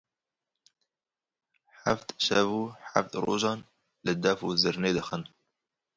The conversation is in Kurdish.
Heft şev û heft rojan li def û zirnê dixin.